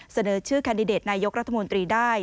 เสนอชื่อแคนดิเดตนายกรัฐมนตรีได้